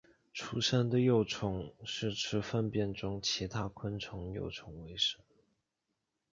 出生的幼虫是吃粪便中其他昆虫幼虫为生。